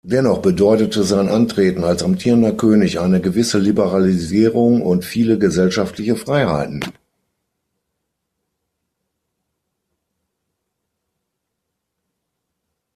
Dennoch bedeutete sein Antreten als amtierender König eine gewisse Liberalisierung und viele gesellschaftliche Freiheiten.